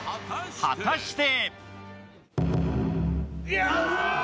果たして。